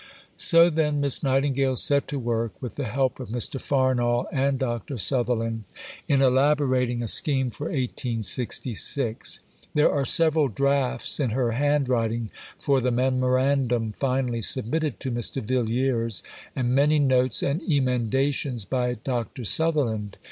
So, then, Miss Nightingale set to work, with the help of Mr. Farnall and Dr. Sutherland, in elaborating a scheme for 1866. There are several drafts in her handwriting for the Memorandum finally submitted to Mr. Villiers, and many notes and emendations by Dr. Sutherland.